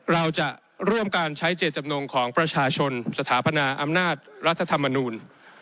เราจะร่วมการใช้เจตจำนงของประชาชนสถาปนาอำนาจรัฐธรรมนูล